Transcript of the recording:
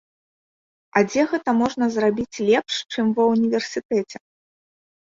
А дзе гэта можна зрабіць лепш, чым ва ўніверсітэце?